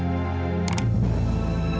aku mau pergi